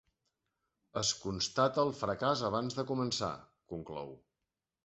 “Es constata el fracàs abans de començar”, conclou.